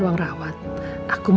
ternyata karena ada mama